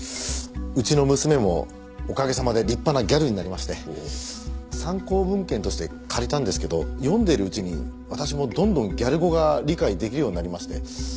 うちの娘もおかげさまで立派なギャルになりまして参考文献として借りたんですけど読んでるうちに私もどんどんギャル語が理解できるようになりまして。